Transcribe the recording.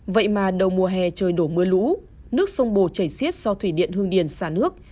vậy mà đầu mùa hè trời đổ mưa lũ nước sông bồ chảy xiết do thủy điện hương điền xả nước